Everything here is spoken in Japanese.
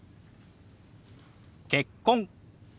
「結婚」。